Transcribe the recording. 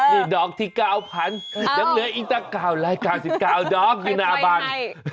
นี่ดอกที่๙๐๐ยังเหลืออีกตั้ง๙๙ดอกอยู่หน้าบ้าน